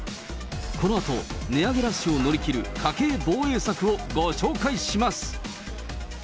このあと、値上げラッシュを乗り切る家計防衛策をご紹介します。